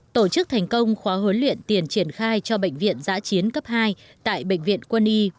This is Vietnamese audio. tổ chức thành công khóa huấn luyện tiền triển khai cho bệnh viện giã chiến cấp hai tại bệnh viện quân y một trăm bảy mươi năm